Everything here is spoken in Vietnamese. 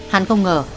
hắn không ngờ